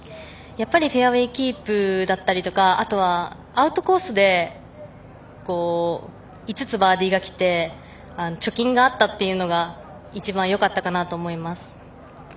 やっぱりフェアウエーキープだったりあとはアウトコースで５つバーディーが来て貯金があったというのが一番よかったかなと思います。